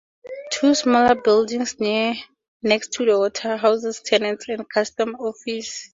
Two smaller buildings next to the water houses tenants and customs office.